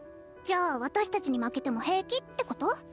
じゃあ私たちに負けても平気ってこと？